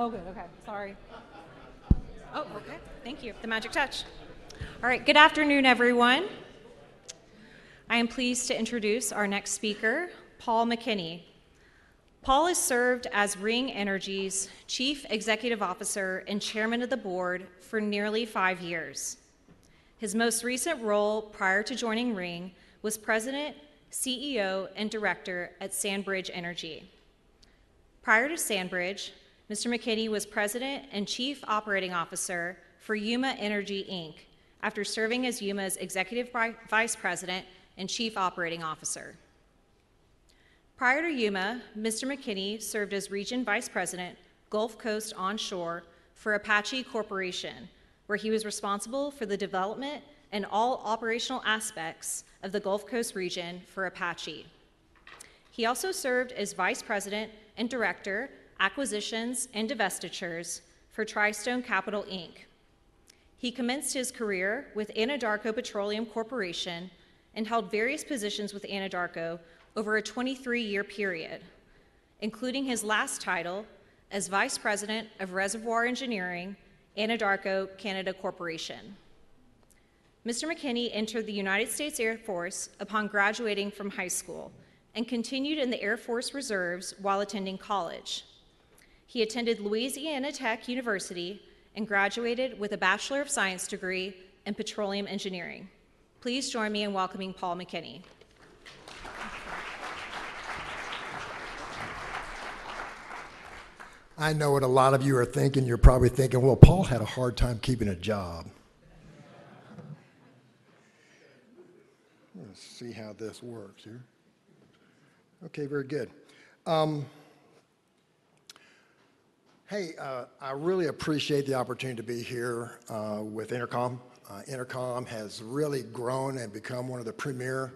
Okay. Thank you. The magic touch. All right. Good afternoon, everyone. I am pleased to introduce our next speaker, Paul McKinney. Paul has served as Ring Energy's Chief Executive Officer and Chairman of the Board for nearly five years. His most recent role prior to joining Ring was President, CEO, and Director at SandRidge Energy. Prior to SandRridge, Mr. McKinney was President and Chief Operating Officer for Yuma Energy, Inc., after serving as Yuma's Executive Vice President and Chief Operating Officer. Prior to Yuma, Mr. McKinney served as Region Vice President, Gulf Coast Onshore, for Apache Corporation, where he was responsible for the development and all operational aspects of the Gulf Coast region for Apache. He also served as Vice President and Director, Acquisitions and Investitures, for Tristone Capital, Inc. He commenced his career with Anadarko Petroleum Corporation and held various positions with Anadarko over a 23-year period, including his last title as Vice President of Reservoir Engineering, Anadarko Canada Corporation. Mr. McKinney entered the U.S. Air Force upon graduating from high school and continued in the Air Force Reserves while attending college. He attended Louisiana Tech University and graduated with a Bachelor of Science degree in Petroleum Engineering. Please join me in welcoming Paul McKinney. I know what a lot of you are thinking. You're probably thinking, "Paul had a hard time keeping a job." Let's see how this works here. Okay, very good. I really appreciate the opportunity to be here with Intercom. Intercom has really grown and become one of the premier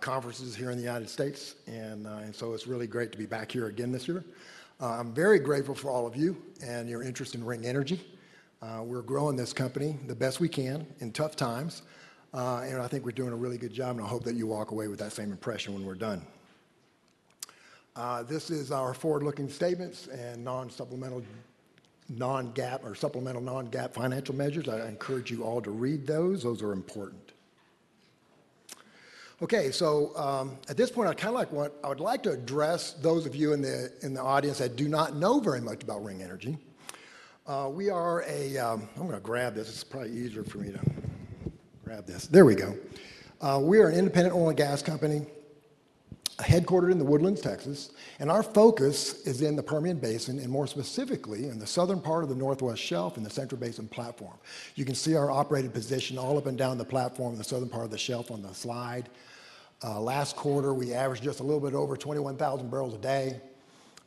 conferences here in the United States, and it's really great to be back here again this year. I'm very grateful for all of you and your interest in Ring Energy. We're growing this company the best we can in tough times, and I think we're doing a really good job. I hope that you walk away with that same impression when we're done. This is our forward-looking statements and non-GAAP financial measures. I encourage you all to read those. Those are important. At this point, I would like to address those of you in the audience that do not know very much about Ring Energy. We are a, I'm going to grab this. It's probably easier for me to grab this. There we go. We are an independent oil and gas company headquartered in The Woodlands, Texas, and our focus is in the Permian Basin and more specifically in the southern part of the Northwest Shelf and the Central Basin Platform. You can see our operating position all up and down the platform in the southern part of the shelf on the slide. Last quarter, we averaged just a little bit over 21,000 bbls a day.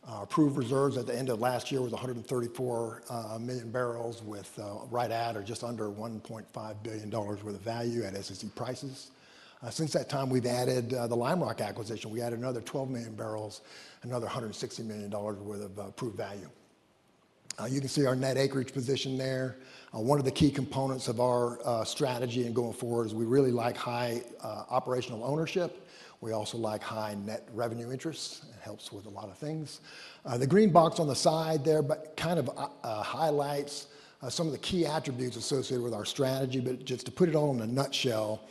Our proved reserves at the end of last year was 134 million bbls with right at or just under $1.5 billion worth of value at SEC prices. Since that time, we've added the Lime Rock acquisition. We added another 12 million bbls, another $160 million worth of proved value. You can see our net acreage position there. One of the key components of our strategy in going forward is we really like high operational ownership. We also like high net revenue interests. It helps with a lot of things. The green box on the side there highlights some of the key attributes associated with our strategy, but just to put it all in a nutshell,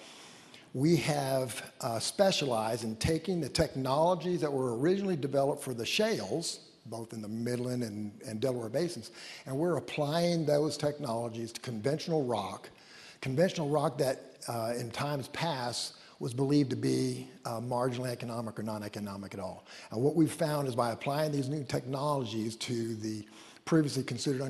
we have specialized in taking the technologies that were originally developed for the shales, both in the Midland and Delaware basins, and we're applying those technologies to conventional rock. Conventional rock that in times past was believed to be marginally economic or non-economic at all. What we've found is by applying these new technologies to the previously considered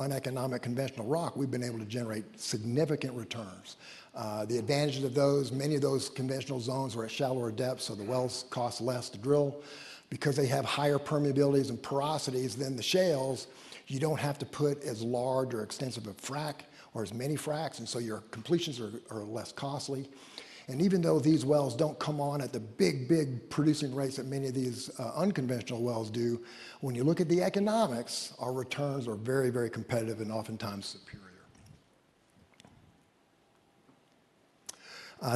uneconomic conventional rock, we've been able to generate significant returns. The advantages of those, many of those conventional zones were at shallower depths, so the wells cost less to drill. Because they have higher permeabilities and porosities than the shales, you don't have to put as large or extensive a frack or as many fracks, and so your completions are less costly. Even though these wells don't come on at the big, big producing rates that many of these unconventional wells do, when you look at the economics, our returns are very, very competitive and oftentimes superior.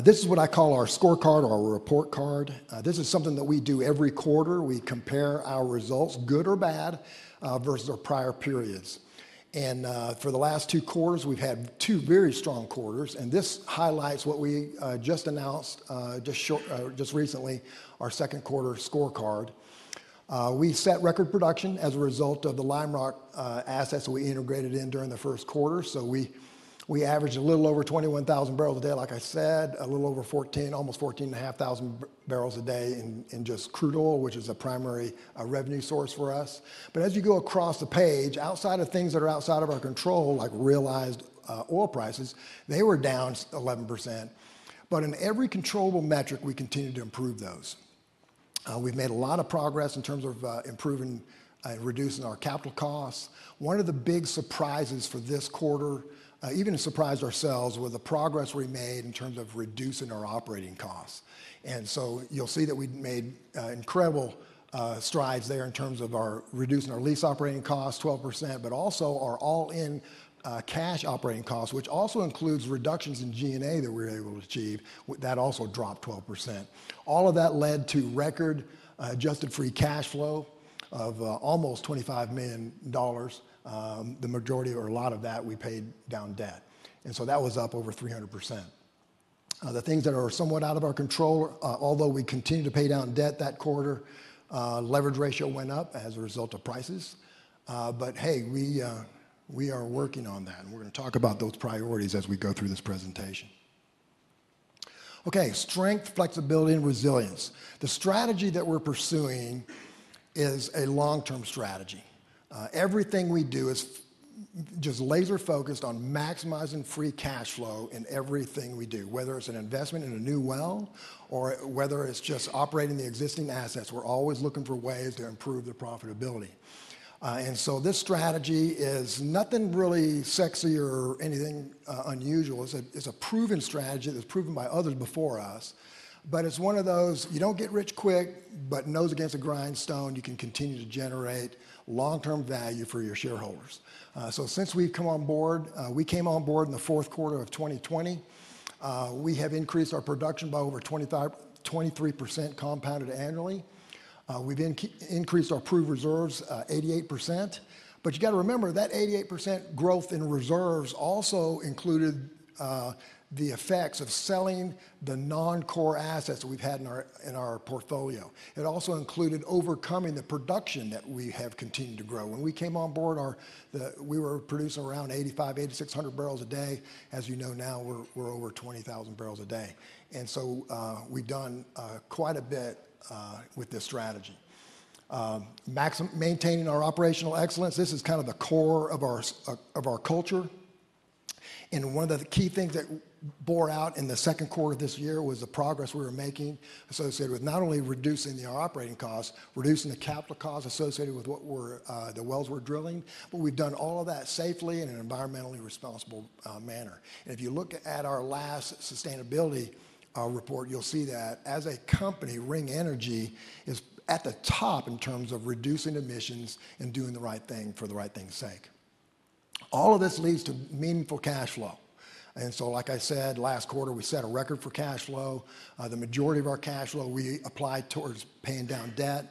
This is what I call our scorecard or our report card. This is something that we do every quarter. We compare our results, good or bad, versus our prior periods. For the last two quarters, we've had two very strong quarters, and this highlights what we just announced just recently, our second quarter scorecard. We set record production as a result of the Lime Rock assets that we integrated in during the first quarter. We averaged a little over 21,000 bbls a day, like I said, a little over 14000 bbls, almost 14,500 bbls a day in just crude oil, which is a primary revenue source for us. As you go across the page, outside of things that are outside of our control, like realized oil prices, they were down 11%. In every control metric, we continue to improve those. We've made a lot of progress in terms of improving and reducing our capital costs. One of the big surprises for this quarter, even surprised ourselves, was the progress we made in terms of reducing our operating costs. You'll see that we made incredible strides there in terms of reducing our lease operating costs 12%, but also our all-in cash operating costs, which also includes reductions in G&A that we were able to achieve. That also dropped 12%. All of that led to record adjusted free cash flow of almost $25 million. The majority or a lot of that we paid down debt. That was up over 300%. The things that are somewhat out of our control, although we continue to pay down debt that quarter, leverage ratio went up as a result of prices. We are working on that, and we're going to talk about those priorities as we go through this presentation. Okay, strength, flexibility, and resilience. The strategy that we're pursuing is a long-term strategy. Everything we do is just laser-focused on maximizing free cash flow in everything we do, whether it's an investment in a new well or whether it's just operating the existing assets. We're always looking for ways to improve the profitability. This strategy is nothing really sexy or anything unusual. It's a proven strategy that was proven by others before us. It's one of those, you don't get rich quick, but nose against a grindstone, you can continue to generate long-term value for your shareholders. Since we've come on board, we came on board in the fourth quarter of 2020. We have increased our production by over 23% compounded annually. We've increased our proved reserves 88%. You've got to remember that 88% growth in reserves also included the effects of selling the non-core assets that we've had in our portfolio. It also included overcoming the production that we have continued to grow. When we came on board, we were producing around 8,500 bbls, 8,600 bbls a day. As you know, now we're over 20,000 bbls a day. We've done quite a bit with this strategy. Maintaining our operational excellence, this is kind of the core of our culture. One of the key things that bore out in the second quarter of this year was the progress we were making associated with not only reducing the operating costs, reducing the capital costs associated with what the wells we're drilling, but we've done all of that safely in an environmentally responsible manner. If you look at our last sustainability report, you'll see that as a company, Ring Energy is at the top in terms of reducing emissions and doing the right thing for the right thing's sake. All of this leads to meaningful cash flow. Like I said, last quarter we set a record for cash flow. The majority of our cash flow we applied towards paying down debt.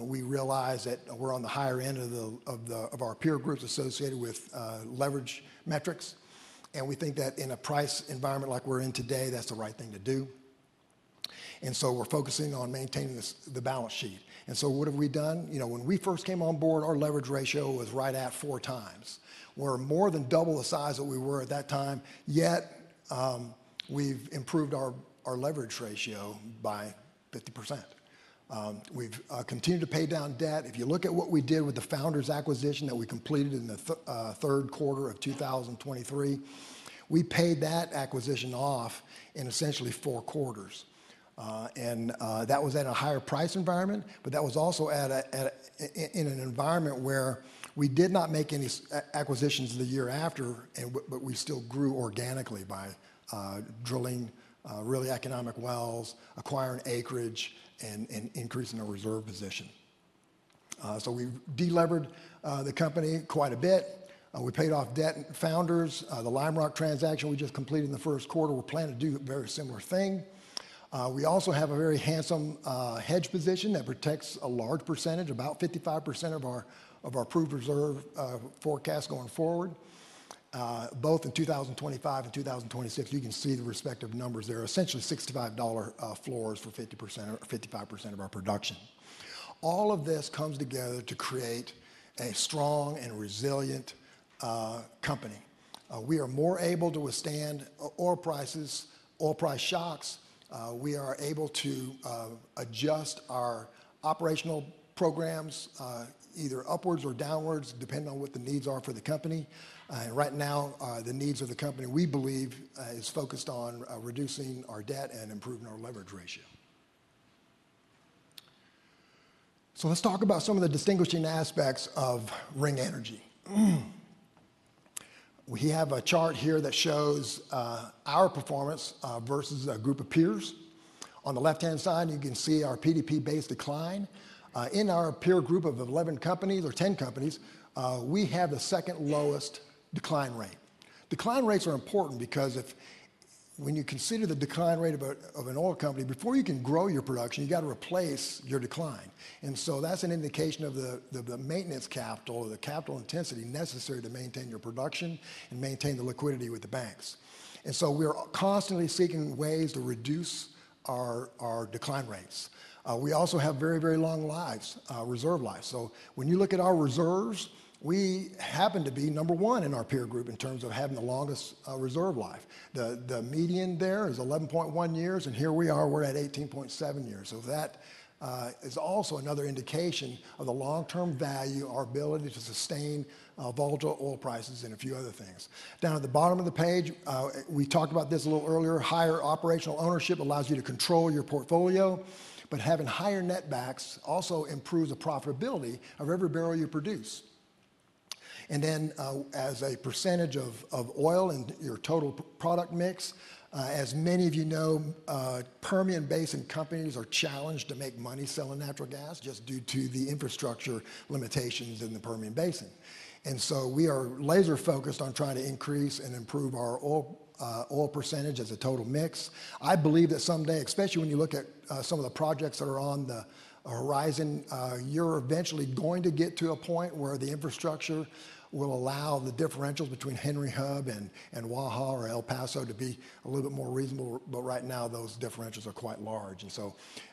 We realized that we're on the higher end of our peer group associated with leverage metrics. We think that in a price environment like we're in today, that's the right thing to do. We're focusing on maintaining the balance sheet. What have we done? When we first came on board, our leverage ratio was right at 4x. We're more than double the size that we were at that time. Yet we've improved our leverage ratio by 50%. We've continued to pay down debt. If you look at what we did with the Founders CBP asset acquisition that we completed in the third quarter of 2023, we paid that acquisition off in essentially four quarters. That was at a higher price environment, but that was also in an environment where we did not make any acquisitions the year after, but we still grew organically by drilling really economic wells, acquiring acreage, and increasing our reserve position. We delevered the company quite a bit. We paid off debt and Founders. The Lime Rock transaction we just completed in the first quarter, we're planning to do a very similar thing. We also have a very handsome hedge position that protects a large percentage, about 55% of our approved reserve forecast going forward. In 2025 and 2026, you can see the respective numbers. They're essentially $65 floors for 50% or 55% of our production. All of this comes together to create a strong and resilient company. We are more able to withstand oil prices, oil price shocks. We are able to adjust our operational programs either upwards or downwards, depending on what the needs are for the company. Right now, the needs of the company, we believe, are focused on reducing our debt and improving our leverage ratio. Let's talk about some of the distinguishing aspects of Ring Energy. We have a chart here that shows our performance versus a group of peers. On the left-hand side, you can see our PDP-based decline. In our peer group of 11 companies or 10 companies, we have the second lowest decline rate. Decline rates are important because when you consider the decline rate of an oil company, before you can grow your production, you've got to replace your decline. That's an indication of the maintenance capital or the capital intensity necessary to maintain your production and maintain the liquidity with the banks. We're constantly seeking ways to reduce our decline rates. We also have very, very long lives, reserve lives. When you look at our reserves, we happen to be number one in our peer group in terms of having the longest reserve life. The median there is 11.1 years, and here we are, we're at 18.7 years. That is also another indication of the long-term value, our ability to sustain volatile oil prices and a few other things. Down at the bottom of the page, we talked about this a little earlier. Higher operational ownership allows you to control your portfolio, but having higher net backs also improves the profitability of every barrel you produce. As a percentage of oil in your total product mix, as many of you know, Permian Basin companies are challenged to make money selling natural gas just due to the infrastructure limitations in the Permian Basin. We are laser-focused on trying to increase and improve our oil percentage as a total mix. I believe that someday, especially when you look at some of the projects that are on the horizon, you're eventually going to get to a point where the infrastructure will allow the differentials between Henry Hub and Waha or El Paso to be a little bit more reasonable, but right now those differentials are quite large.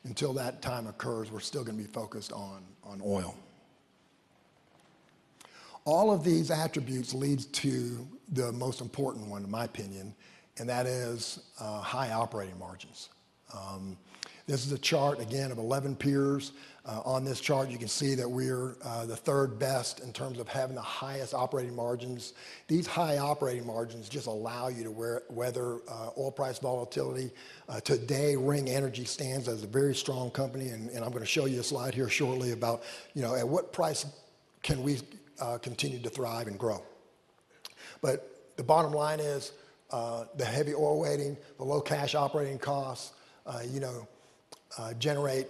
Until that time occurs, we're still going to be focused on oil. All of these attributes lead to the most important one, in my opinion, and that is high operating margins. This is a chart, again, of 11 peers. On this chart, you can see that we're the third best in terms of having the highest operating margins. These high operating margins just allow you to weather oil price volatility. Today, Ring Energy stands as a very strong company, and I'm going to show you a slide here shortly about, you know, at what price can we continue to thrive and grow. The bottom line is the heavy oil weighting, the low cash operating costs, generate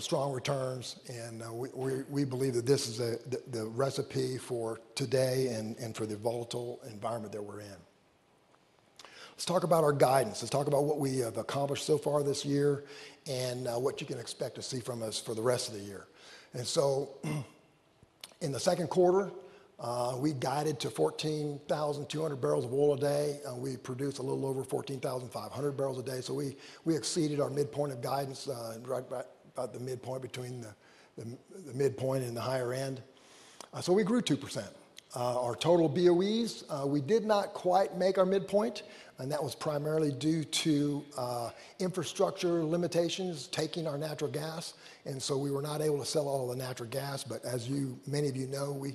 strong returns, and we believe that this is the recipe for today and for the volatile environment that we're in. Let's talk about our guidance. Let's talk about what we have accomplished so far this year and what you can expect to see from us for the rest of the year. In the second quarter, we guided to 14,200 bbls of oil a day. We produced a little over 14,500 bbls a day, so we exceeded our midpoint of guidance, right about the midpoint between the midpoint and the higher end. We grew 2%. Our total BOEs, we did not quite make our midpoint, and that was primarily due to infrastructure limitations taking our natural gas, and we were not able to sell all of the natural gas. As many of you know, we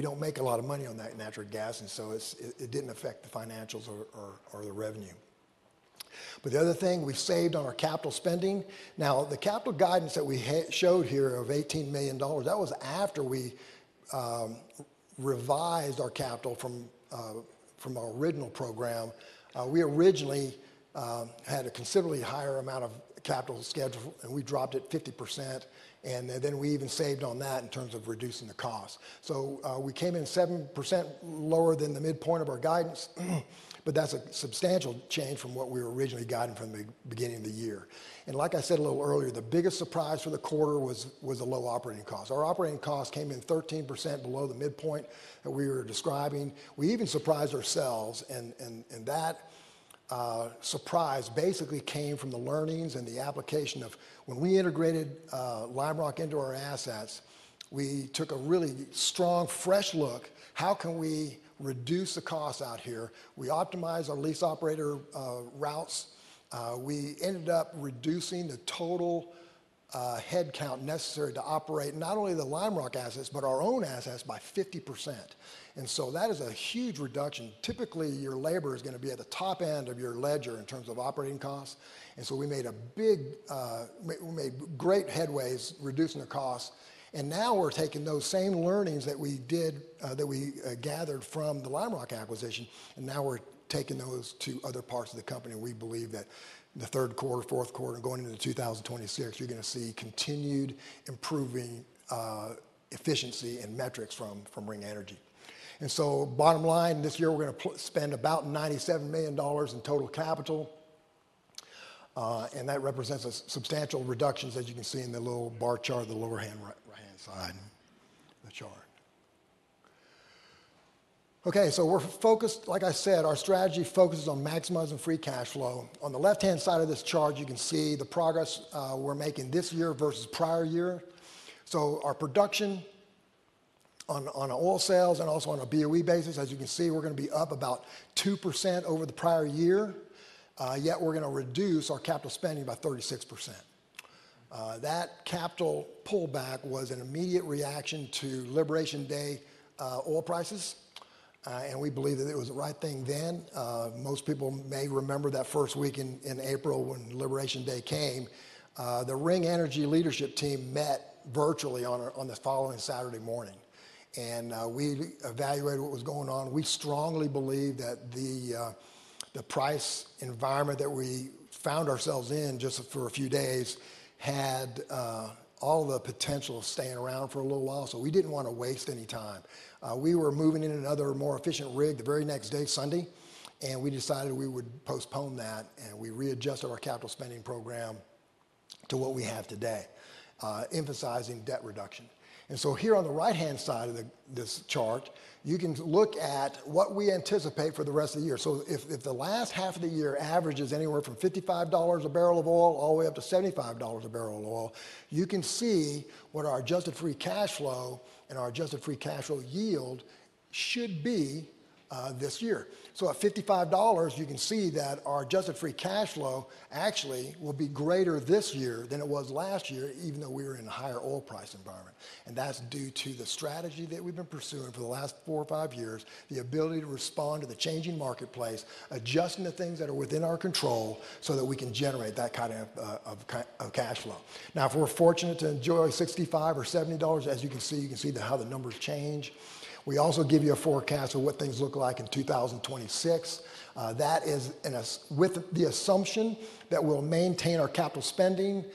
don't make a lot of money on that natural gas, and so it didn't affect the financials or the revenue. The other thing we've saved on our capital spending, now the capital guidance that we showed here of $18 million, that was after we revised our capital from our original program. We originally had a considerably higher amount of capital scheduled, and we dropped it 50%, and then we even saved on that in terms of reducing the cost. We came in 7% lower than the midpoint of our guidance, but that's a substantial change from what we were originally guiding from the beginning of the year. Like I said a little earlier, the biggest surprise for the quarter was the low operating cost. Our operating cost came in 13% below the midpoint that we were describing. We even surprised ourselves, and that surprise basically came from the learnings and the application of when we integrated Lime Rock into our assets, we took a really strong, fresh look. How can we reduce the costs out here? We optimized our lease operator routes. We ended up reducing the total headcount necessary to operate not only the Lime Rock assets, but our own assets by 50%. That is a huge reduction. Typically, your labor is going to be at the top end of your ledger in terms of operating costs. We made great headways reducing the costs. Now we're taking those same learnings that we gathered from the Lime Rock acquisition, and now we're taking those to other parts of the company. We believe that in the third quarter, fourth quarter, and going into 2026, you're going to see continued improving efficiency and metrics from Ring Energy. Bottom line, this year we're going to spend about $97 million in total capital, and that represents substantial reductions, as you can see in the little bar chart at the lower right-hand side of the chart. We're focused, like I said, our strategy focuses on maximizing free cash flow. On the left-hand side of this chart, you can see the progress we're making this year versus prior year. Our production on oil sales and also on a BOE basis, as you can see, we're going to be up about 2% over the prior year. Yet we're going to reduce our capital spending by 36%. That capital pullback was an immediate reaction to Liberation Day oil prices, and we believe that it was the right thing then. Most people may remember that first week in April when Liberation Day came. The Ring Energy leadership team met virtually on the following Saturday morning, and we evaluated what was going on. We strongly believe that the price environment that we found ourselves in just for a few days had all the potential of staying around for a little while, so we didn't want to waste any time. We were moving in another more efficient rig the very next day, Sunday, and we decided we would postpone that, and we readjusted our capital spending program to what we have today, emphasizing debt reduction. Here on the right-hand side of this chart, you can look at what we anticipate for the rest of the year. If the last half of the year averages anywhere from $55 a barrel of oil all the way up to $75 a barrel of oil, you can see what our adjusted free cash flow and our adjusted free cash flow yield should be this year. At $55, you can see that our adjusted free cash flow actually will be greater this year than it was last year, even though we were in a higher oil price environment. That's due to the strategy that we've been pursuing for the last four or five years, the ability to respond to the changing marketplace, adjusting the things that are within our control so that we can generate that kind of cash flow. If we're fortunate to enjoy $65 or $70, as you can see, you can see how the numbers change. We also give you a forecast of what things look like in 2026. That is with the assumption that we'll maintain our capital spending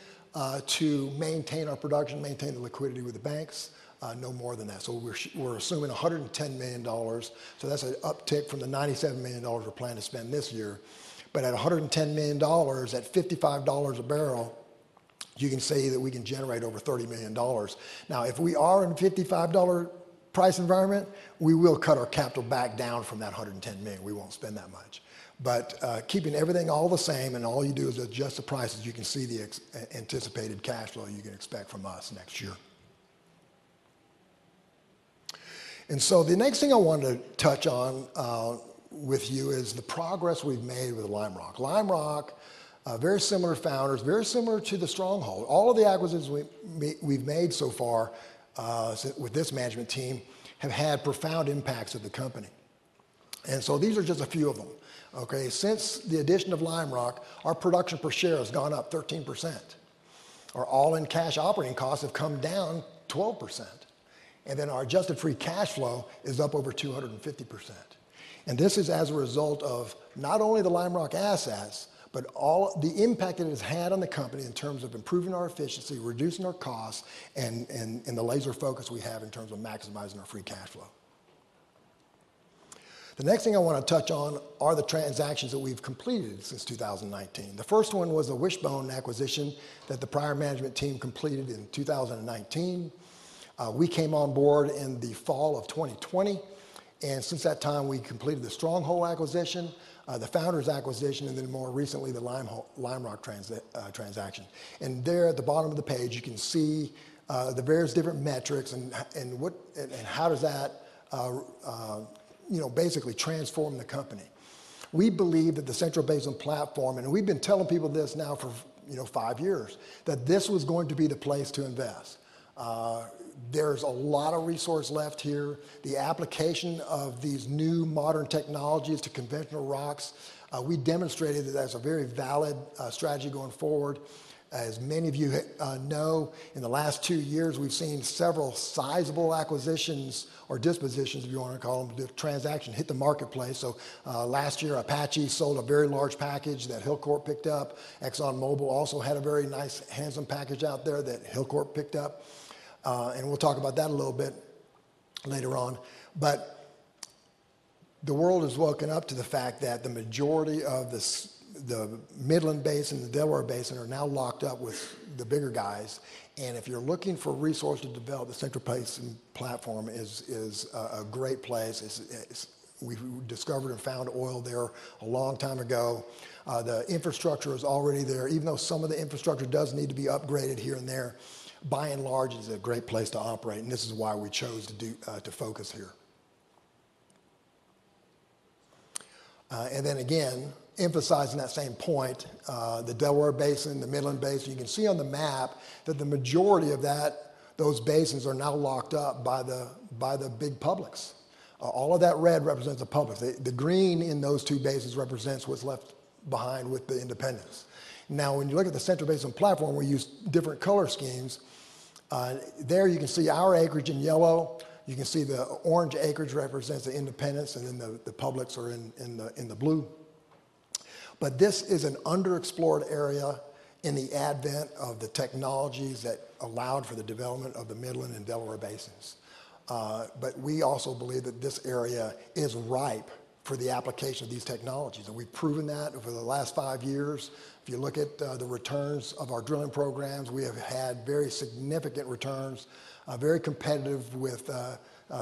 to maintain our production, maintain the liquidity with the banks, no more than that. We're assuming $110 million. That's an uptick from the $97 million we're planning to spend this year. At $110 million, at $55 a barrel, you can see that we can generate over $30 million. If we are in a $55 price environment, we will cut our capital back down from that $110 million. We won't spend that much. Keeping everything all the same, and all you do is adjust the prices, you can see the anticipated cash flow you can expect from us next year. The next thing I wanted to touch on with you is the progress we've made with Lime Rock. Lime Rock, very similar founders, very similar to the Stronghold. All of the acquisitions we've made so far with this management team have had profound impacts on the company. These are just a few of them. Since the addition of Lime Rock, our production per share has gone up 13%. Our all-in cash operating costs have come down 12%. Our adjusted free cash flow is up over 250%. This is as a result of not only the Lime Rock assets, but all the impact it has had on the company in terms of improving our efficiency, reducing our costs, and the laser focus we have in terms of maximizing our free cash flow. The next thing I want to touch on are the transactions that we've completed since 2019. The first one was the Wishbone acquisition that the prior management team completed in 2019. We came on board in the fall of 2020. Since that time, we completed the Stronghold acquisition, the Founders acquisition, and then more recently the Lime Rock transaction. There at the bottom of the page, you can see the various different metrics and how that basically transformed the company. We believe that the Central Basin Platform, and we've been telling people this now for five years, that this was going to be the place to invest. There's a lot of resource left here. The application of these new modern technologies to conventional rocks, we demonstrated that that's a very valid strategy going forward. As many of you know, in the last two years, we've seen several sizable acquisitions or dispositions, if you want to call them, the transaction hit the marketplace. Last year, Apache sold a very large package that Hilcorp picked up. Exxon Mobil also had a very nice handsome package out there that Hilcorp picked up. We'll talk about that a little bit later on. The world has woken up to the fact that the majority of the Midland Basin and the Delaware Basin are now locked up with the bigger guys. If you're looking for resources to develop, the Central Basin Platform is a great place. We discovered and found oil there a long time ago. The infrastructure is already there, even though some of the infrastructure does need to be upgraded here and there. By and large, it is a great place to operate. This is why we chose to focus here. Again, emphasizing that same point, the Delaware Basin, the Midland Basin, you can see on the map that the majority of those basins are now locked up by the big publics. All of that red represents the publics. The green in those two basins represents what's left behind with the independents. Now, when you look at the Central Basin Platform, we use different color schemes. There you can see our acreage in yellow. You can see the orange acreage represents the independents, and the publics are in the blue. This is an underexplored area in the advent of the technologies that allowed for the development of the Midland and Delaware basins. We also believe that this area is ripe for the application of these technologies. We've proven that over the last five years. If you look at the returns of our drilling programs, we have had very significant returns, very competitive with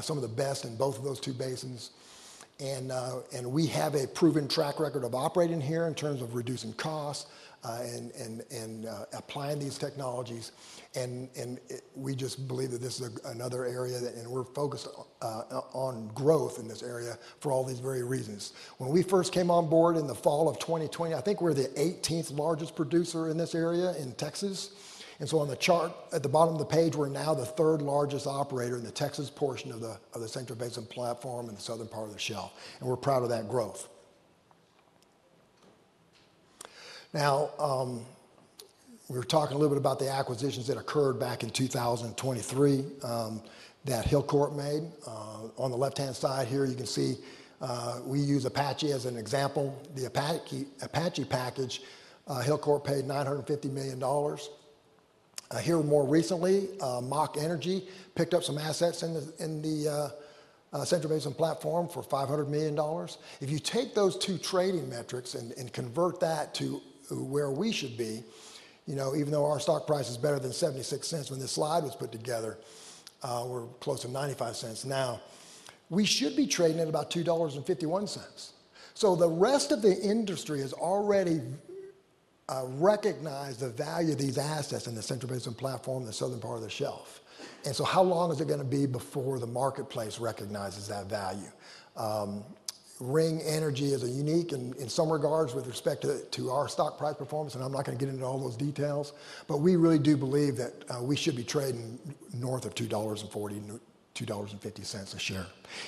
some of the best in both of those two basins. We have a proven track record of operating here in terms of reducing costs and applying these technologies. We just believe that this is another area that, and we're focused on growth in this area for all these very reasons. When we first came on board in the fall of 2020, I think we're the 18th largest producer in this area in Texas. On the chart at the bottom of the page, we're now the third largest operator in the Texas portion of the Central Basin Platform in the southern part of the shelf. We're proud of that growth. Now, we're talking a little bit about the acquisitions that occurred back in 2023 that Hilcorp made. On the left-hand side here, you can see we use Apache as an example. The Apache package, Hilcorp paid $950 million. More recently, Mach Energy picked up some assets in the Central Basin Platform for $500 million. If you take those two trading metrics and convert that to where we should be, even though our stock price is better than $0.76 when this slide was put together, we're close to $0.95 now. We should be trading at about $2.51. The rest of the industry has already recognized the value of these assets in the Central Basin Platform in the southern part of the shelf. How long is it going to be before the marketplace recognizes that value? Ring Energy is unique in some regards with respect to our stock price performance, and I'm not going to get into all those details, but we really do believe that we should be trading north of $2.40, $2.50 a share.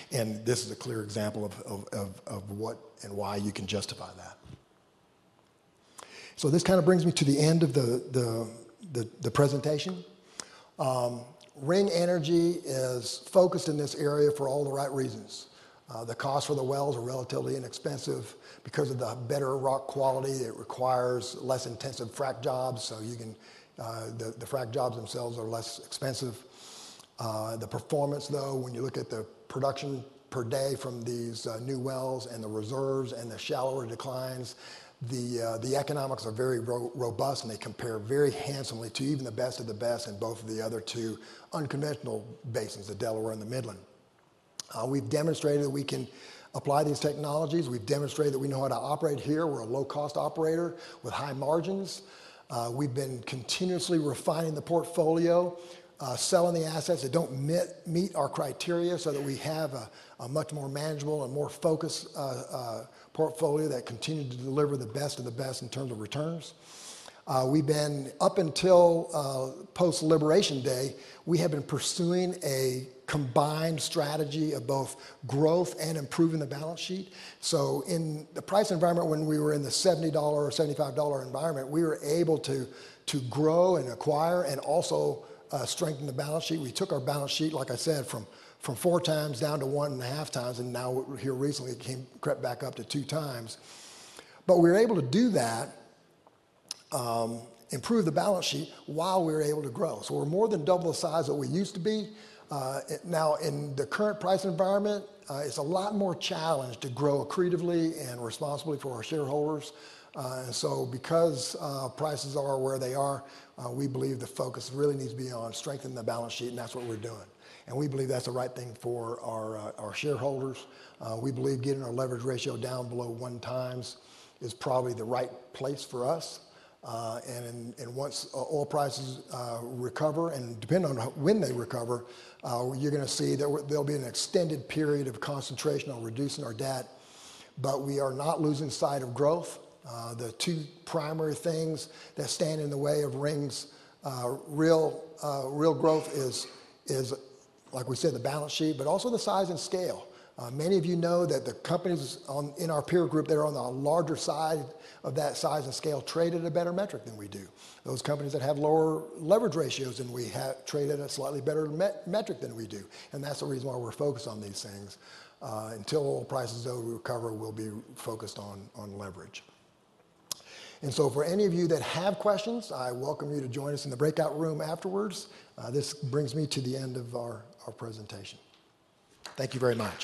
This is a clear example of what and why you can justify that. This kind of brings me to the end of the presentation. Ring Energy is focused in this area for all the right reasons. The costs for the wells are relatively inexpensive because of the better rock quality. It requires less intensive frac jobs, so the frac jobs themselves are less expensive. The performance, though, when you look at the production per day from these new wells and the reserves and the shallower declines, the economics are very robust and they compare very handsomely to even the best of the best in both of the other two unconventional basins, the Delaware and the Midland. We've demonstrated that we can apply these technologies. We've demonstrated that we know how to operate here. We're a low-cost operator with high margins. We've been continuously refining the portfolio, selling the assets that don't meet our criteria so that we have a much more manageable and more focused portfolio that continues to deliver the best of the best in terms of returns. Up until post-Liberation Day, we have been pursuing a combined strategy of both growth and improving the balance sheet. In the price environment, when we were in the $70 or $75 environment, we were able to grow and acquire and also strengthen the balance sheet. We took our balance sheet, like I said, from four times down to 1.5x and now here recently it crept back up to 2x. We were able to do that, improve the balance sheet while we were able to grow. We're more than double the size that we used to be. Now, in the current price environment, it's a lot more challenging to grow accretively and responsibly for our shareholders. Because prices are where they are, we believe the focus really needs to be on strengthening the balance sheet, and that's what we're doing. We believe that's the right thing for our shareholders. We believe getting our leverage ratio down below one times is probably the right place for us. Once oil prices recover, and depending on when they recover, you're going to see there'll be an extended period of concentration on reducing our debt, but we are not losing sight of growth. The two primary things that stand in the way of Ring's real growth are, like we said, the balance sheet, but also the size and scale. Many of you know that the companies in our peer group that are on the larger side of that size and scale trade at a better metric than we do. Those companies that have lower leverage ratios than we have trade at a slightly better metric than we do. That's the reason why we're focused on these things. Until oil prices recover, we'll be focused on leverage. For any of you that have questions, I welcome you to join us in the breakout room afterwards. This brings me to the end of our presentation. Thank you very much.